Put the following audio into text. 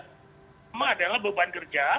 pertama adalah beban kerja